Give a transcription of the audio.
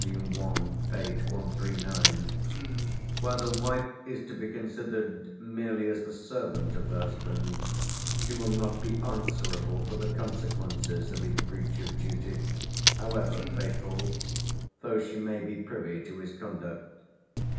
i., p. 139). "Where the wife is to be considered merely as the servant of the husband, she will not be answerable for the consequences of his breach of duty, however fatal, though she may be privy to his conduct.